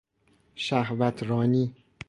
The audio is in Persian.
شهوترانی